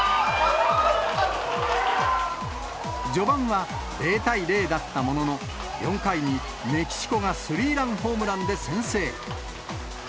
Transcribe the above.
序盤は０対０だったものの、４回にメキシコがスリーランホームランで先制。